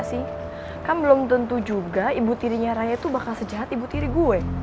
kan belum tentu juga ibu tirinya raya itu bakal sejahat ibu tiri gue